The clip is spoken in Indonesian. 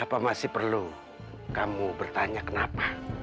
apa masih perlu kamu bertanya kenapa